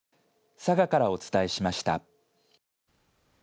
佐賀からお伝えしました。